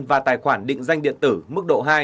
và tài khoản định danh điện tử mức độ hai